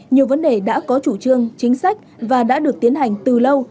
nhiều vấn đề đã có chủ trương chính sách và đã được tiến hành từ lâu